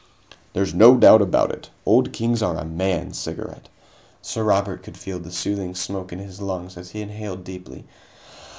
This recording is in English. "There's no doubt about it, Old Kings are a man's cigarette." Sir Robert could feel the soothing smoke in his lungs as he inhaled deeply.